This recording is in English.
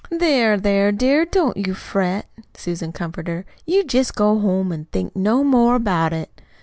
"There, there, dear, don't you fret," Susan comforted her. "You jest go home and think no more about it.